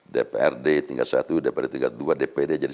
dprd tinggal satu dpd tinggal dua dpd jadi satu